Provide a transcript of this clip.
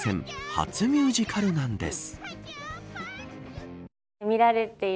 初ミュージカルなんです。